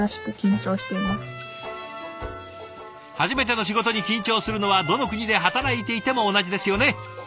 初めての仕事に緊張するのはどの国で働いていても同じですよね。